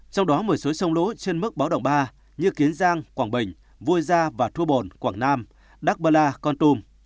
trong đó một số sông lũ trên mức báo động ba như kiến giang quảng bình vu gia và thu bồn quảng nam đắc bơ la con tùm